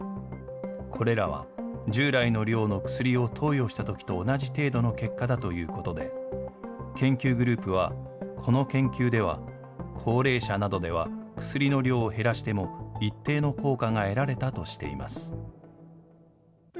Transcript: これらは、従来の量の薬を投与したときと同じ程度の結果だということで、研究グループは、この研究では高齢者などでは、薬の量を減らしても一定の効果が得られたとしています。